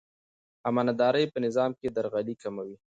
امانتداري په نظام کې درغلي کموي.